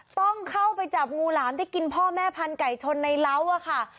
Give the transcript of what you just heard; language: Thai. ต้องเข้าไปจับงูหลามที่กินพ่อแม่พันธุไก่ชนในเล้าค่ะ